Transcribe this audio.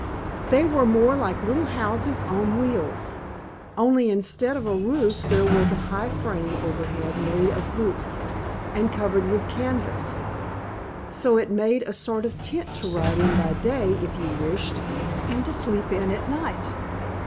They were more like little houses on wheels, only instead of a roof there was a high frame overhead made of hoops, and covered with canvas, so it made a sort of tent to ride in by day, if you wished, and to sleep in at night.